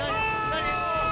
何？